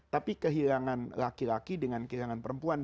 tapi kehilangan laki laki dengan kehilangan perempuan